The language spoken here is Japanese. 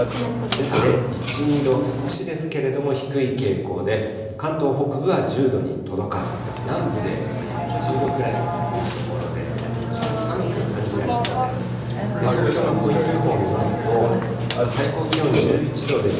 ですね、１、２度、少しですけれども低い傾向で、関東北部は１０度に届かず、南部でやっと１０度くらいということで、日中も寒く感じられそうです。